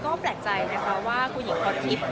ก็แปลกใจนะคะว่าผู้หญิงคอทฤษฐ์